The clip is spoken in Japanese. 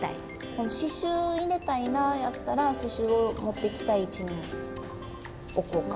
この刺しゅう入れたいなやったら刺しゅうを持ってきたい位置に置こうか。